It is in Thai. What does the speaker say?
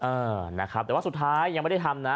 เออนะครับแต่ว่าสุดท้ายยังไม่ได้ทำนะ